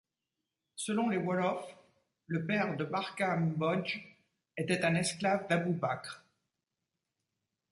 Selon les Wolofs, le père de Barka Mbodj était un esclave d'Abou Bakr.